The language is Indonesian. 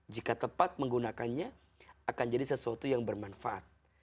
jika tepat menggunakannya akan jadi sesuatu yang bermanfaat